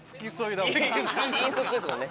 引率ですもんね